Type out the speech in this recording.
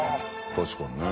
確かにね。